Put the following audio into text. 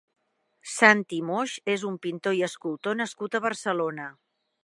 Santi Moix és un pintor i escultor nascut a Barcelona.